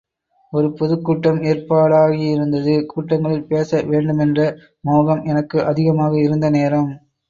ஒரு பொதுக்கூட்டம் ஏற்பாடாகியிருந்தது கூட்டங்களில் பேச வேண்டுமென்ற மோகம் எனக்கு அதிகமாக இருந்த நேரம்.